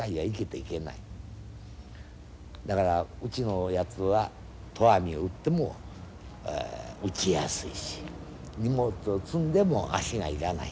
だからうちのやつは投網を打っても打ちやすいし荷物を積んでも足が要らない。